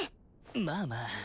まあまあ。